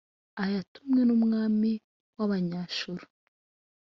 ayatumwe n’umwami w’Abanyashuru,